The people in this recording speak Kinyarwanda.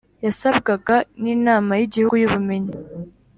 yasabwaga n’ inama y’ igihugu y’ ubumenyi